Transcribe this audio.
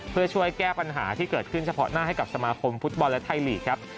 เพื่อช่วยแก้ปัญหาที่เกิดขึ้นเฉพาะหน้าให้กับสมาคมฟุตบอลและไทยลีกครับ